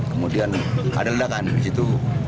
kemudian ada ledakan di situ